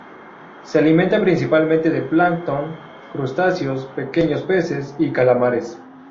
Se alimenta principalmente de plancton, crustáceos, pequeños peces y calamares.